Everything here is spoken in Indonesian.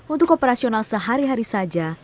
untuk operasional sehari hari saja